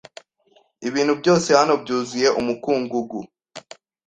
Ibintu byose hano byuzuye umukungugu.